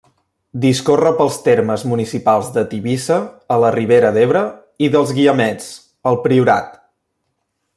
Discorre pels termes municipals de Tivissa, a la Ribera d'Ebre, i dels Guiamets, al Priorat.